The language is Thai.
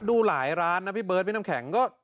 ดูหลายร้านนะพี่เบิร์ดพี่น้ำแข็งก็